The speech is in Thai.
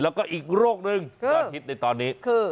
แล้วก็อีกโรคหนึ่งเราคิดในตอนนี้คือ